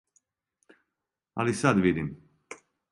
Али сад видим.